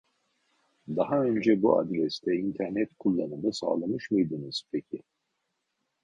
Daha önce bu adreste internet kullanımı sağlamış mıydınız peki ?